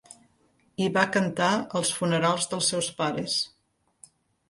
I va cantar als funerals dels seus pares.